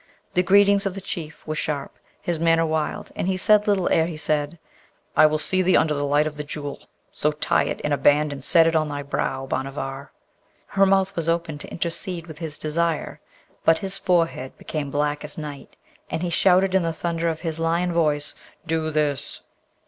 The greeting of the Chief was sharp, his manner wild, and he said little ere he said, 'I will see thee under the light of the Jewel, so tie it in a band and set it on thy brow, Bhanavar!' Her mouth was open to intercede with his desire, but his forehead became black as night, and he shouted in the thunder of his lion voice, 'Do this!'